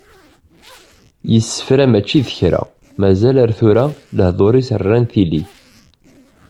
Yessefra mačči d kra, mazal ar tura, lehdur-is rran tili.